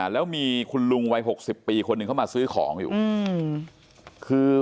แล้วมีคุณลุงวัย๖๐ปีคนหนึ่งเข้ามาซื้อของอยู่